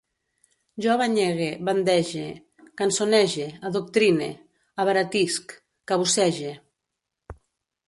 Jo banyegue, bandege, cançonege, adoctrine, abaratisc, cabussege